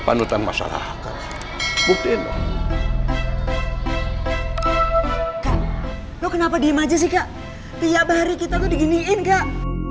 panutan masalah hak buktiin loh lo kenapa diem aja sih kak tiap hari kita tuh diginiin kak